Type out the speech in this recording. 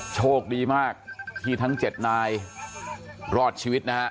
โชคดีมากที่ทั้ง๗นายรอดชีวิตนะฮะ